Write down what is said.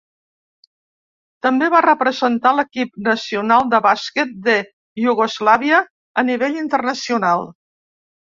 També va representar l'equip nacional de bàsquet de Iugoslàvia a nivell internacional.